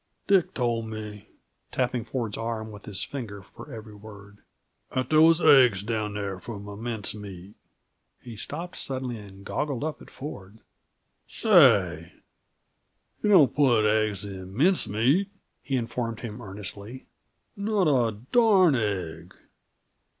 Dick tol' me " tapping Ford's arm with his finger for every word, " 'at there was aigs down there, for m' mince meat." He stopped suddenly and goggled up at Ford. "Shay, yuh don't put aigs in mince meat," he informed him earnestly. "Not a darn aig!